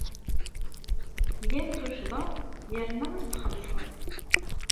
Tgam tuccḍa yerna ad tt-txellṣem.